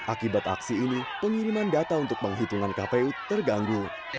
akibat aksi ini pengiriman data untuk penghitungan kpu terganggu